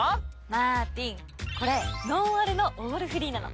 マーティンこれノンアルのオールフリーなの。